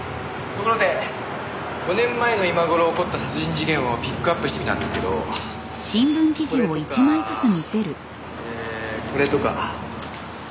ところで５年前の今頃起こった殺人事件をピックアップしてみたんですけどこれとかえーこれとか。